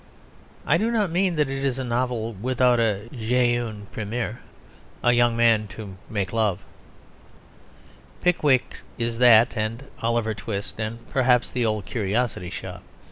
I do not mean that it is a novel without a jeune premier, a young man to make love; Pickwick is that and Oliver Twist, and, perhaps, The Old Curiosity Shop.